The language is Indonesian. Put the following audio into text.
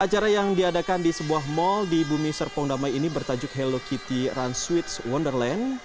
acara yang diadakan di sebuah mal di bumi serpong damai ini bertajuk hello kitty run sweets wonderland